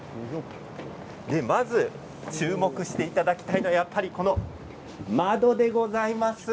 まず注目していただきたいのはやっぱりこの窓でございます。